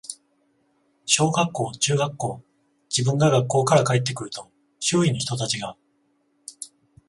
小学校、中学校、自分が学校から帰って来ると、周囲の人たちが、